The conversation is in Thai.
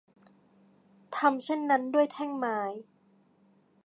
ทำเช่นนั้นด้วยแท่งไม้